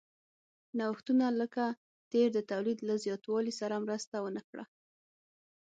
نوښتونه لکه تبر د تولید له زیاتوالي سره مرسته ونه کړه.